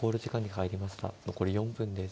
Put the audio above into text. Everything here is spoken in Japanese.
残り４分です。